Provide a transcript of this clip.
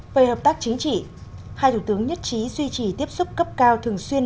về hợp tác chính trị hai thủ tướng nhất trí duy trì tiếp xúc cấp cao thường xuyên